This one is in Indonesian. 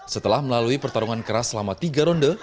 setelah melalui pertarungan keras selama tiga ronde